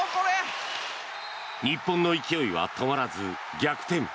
日本の勢いは止まらず逆転。